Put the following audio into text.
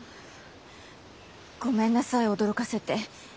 ごめんなさい驚かせて。